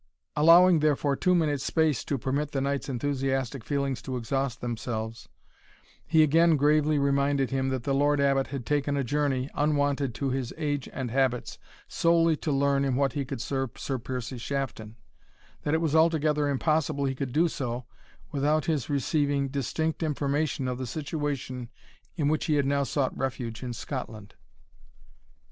Allowing, therefore, two minutes' space to permit the knight's enthusiastic feelings to exhaust themselves, he again gravely reminded him that the Lord Abbot had taken a journey, unwonted to his age and habits, solely to learn in what he could serve Sir Piercie Shafton that it was altogether impossible he could do so without his receiving distinct information of the situation in which he had now sought refuge in Scotland.